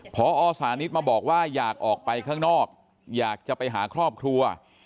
พอสานิทมาบอกว่าอยากออกไปข้างนอกอยากจะไปหาครอบครัว